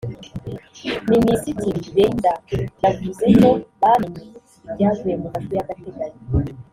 Minisitiri Reynders yavuze ko bamenye ibyavuye mu majwi y’agateganyo